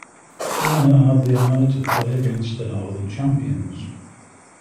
The winner had the honor to play against the Northern Champions.